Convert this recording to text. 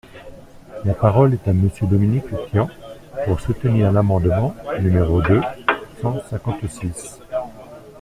La parole est à Monsieur Dominique Tian, pour soutenir l’amendement numéro deux cent cinquante-six.